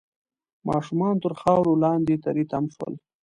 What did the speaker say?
ماشومان تر خاورو لاندې تري تم شول